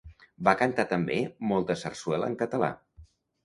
Va cantar també molta sarsuela en català.